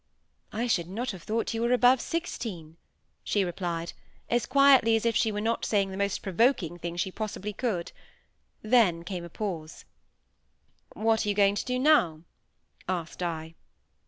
"I should not have thought you were above sixteen," she replied, as quietly as if she were not saying the most provoking thing she possibly could. Then came a pause. "What are you going to do now?" asked I.